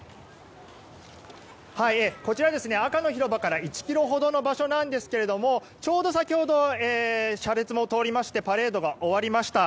こちら、赤の広場から１ｋｍほどの場所なんですがちょうど先ほど車列も通りましてパレードが終わりました。